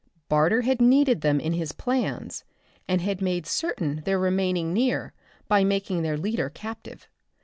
Barter had needed them in his plans, and had made certain their remaining near by making their leader captive.